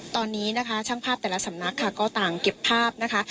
ตอนนี้นะคะช่างภาพแต่ละสำนักค่ะก็ต่างเก็บภาพนะคะ